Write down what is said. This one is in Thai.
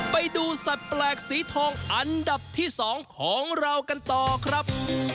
ไปดูสัตว์แปลกสีทองอันดับที่๒ของเรากันต่อครับ